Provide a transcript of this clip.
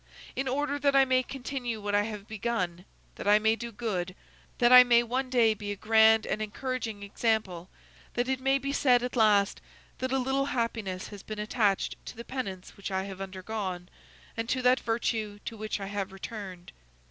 In order that I may continue what I have begun, that I may do good, that I may one day be a grand and encouraging example, that it may be said at last, that a little happiness has been attached to the penance which I have undergone, and to that virtue to which I have returned.